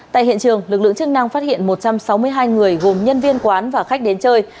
tại hiện trường lực lượng chức năng phát hiện một trăm sáu mươi hai người gồm nhân viên quán và khách đến chơi